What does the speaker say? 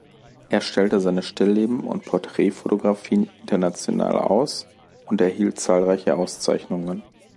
Er stellte seine Stillleben und Porträtfotografien international aus und erhielt zahlreiche Auszeichnungen.